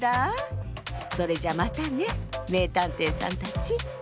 それじゃまたねめいたんていさんたち。